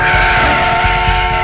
tunggu dong kak